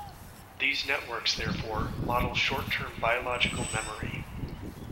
These networks, therefore, model short-term biological memory.